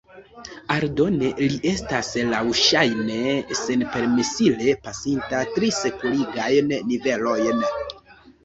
Aldone li estas laŭŝajne senpermesile pasinta tri sekurigajn nivelojn.